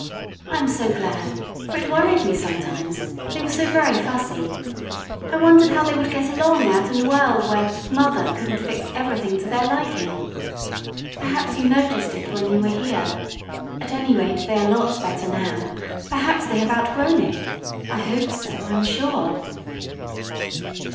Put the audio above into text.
I am so glad, for it worried me sometimes they were so very fussy. I wondered how they would get along out in the world where "mother" could n't fix everything to their liking. Perhaps you noticed it when you were here. At any rate, they are lots better now. Perhaps they have out grown it. I hope so, I'm sure.